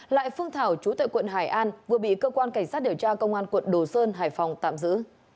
lại phương thảo chú tại quận hải an vừa bị cơ quan cảnh sát điều tra công an quận đồ sơn hải phòng tạm giữ